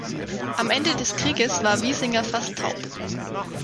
Am Ende des Krieges war Wiesinger fast taub.